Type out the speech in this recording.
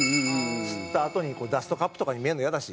吸ったあとにダストカップとかに見えるのイヤだし。